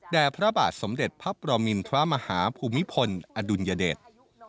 พระบาทสมเด็จพระปรมินทรมาฮาภูมิพลอดุลยเดช